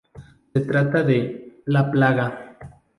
Se trata de "La paga".